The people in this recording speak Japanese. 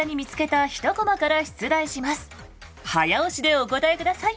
早押しでお答えください。